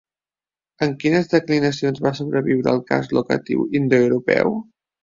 En quines declinacions va sobreviure el cas locatiu indoeuropeu?